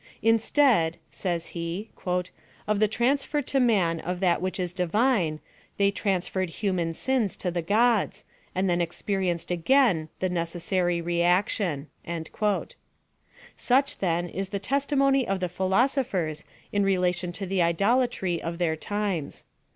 "Instead," says l.e, ''of the transfer to man of that which is divine, they transferred human sins to the gods, and then experienced again the necessary re action." Such, then, is the testimony of the philo sophers in relation to the idolatry of their times.